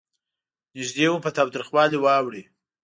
نېږدې و په تاوتریخوالي واوړي.